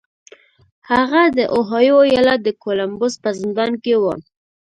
هغه د اوهايو ايالت د کولمبوس په زندان کې و.